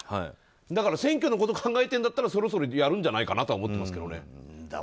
選挙のことを考えているんだったらそろそろやるんじゃないかと思っていますけど。